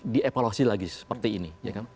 dievaluasi lagi seperti ini